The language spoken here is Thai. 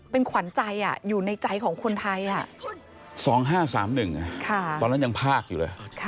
เป็นขวัญใจอยู่ในใจของคนไทย๒๕๓๑ตอนนั้นยังภาคอยู่เลย